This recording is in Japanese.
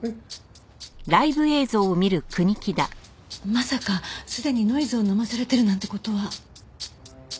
まさかすでにノイズを飲まされてるなんて事は。